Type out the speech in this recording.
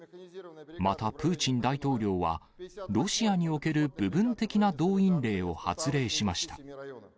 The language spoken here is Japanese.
またプーチン大統領は、ロシアにおける部分的な動員令を発令しました。